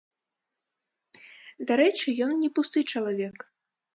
Дарэчы, ён не пусты чалавек.